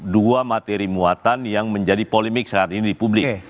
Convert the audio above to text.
dua materi muatan yang menjadi polemik saat ini di publik